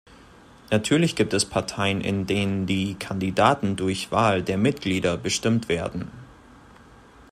Natürlich gibt es Parteien, in denen die Kandidaten durch Wahl der Mitglieder bestimmt werden.